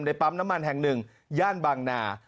ปั๊มน้ำมันแห่งหนึ่งย่านบางนา